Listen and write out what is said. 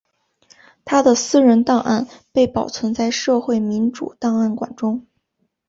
他的私人档案被保存在社会民主档案馆中。